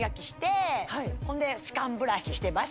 はいほんで歯間ブラシしてます